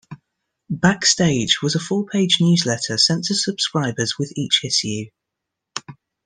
"Backstage" was a four-page newsletter sent to subscribers with each issue.